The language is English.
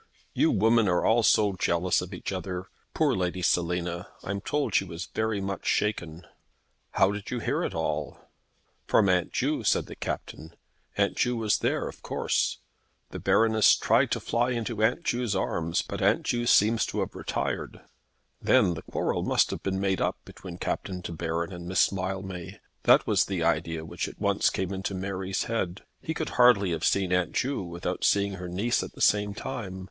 "You women are all so jealous of each other. Poor Lady Selina! I'm told she was very much shaken." "How did you hear it all?" "From Aunt Ju," said the Captain. "Aunt Ju was there, of course. The Baroness tried to fly into Aunt Ju's arms, but Aunt Ju seems to have retired." Then the quarrel must have been made up between Captain De Baron and Miss Mildmay. That was the idea which at once came into Mary's head. He could hardly have seen Aunt Ju without seeing her niece at the same time.